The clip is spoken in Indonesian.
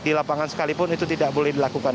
di lapangan sekalipun itu tidak boleh dilakukan